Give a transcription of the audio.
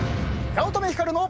「八乙女光の」？